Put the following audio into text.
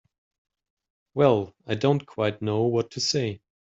Well—I don't quite know what to say.